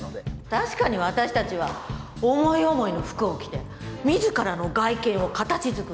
確かに私たちは思い思いの服を着て自らの外見を形づくる自由がある。